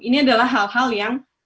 ini adalah hal hal yang